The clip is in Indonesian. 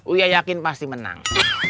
uya yakin pasti menang